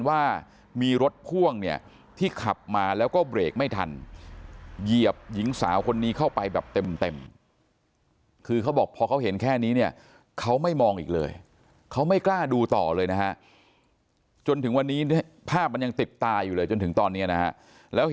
ว่ามีรถพ่วงเนี่ยที่ขับมาแล้วก็เบรกไม่ทันเหยียบหญิงสาวคนนี้เข้าไปแบบเต็มคือเขาบอกพอเขาเห็นแค่นี้เนี่ยเขาไม่มองอีกเลยเขาไม่กล้าดูต่อเลยนะฮะจนถึงวันนี้ภาพมันยังติดตาอยู่เลยจนถึงตอนนี้นะฮะแล้วเห็น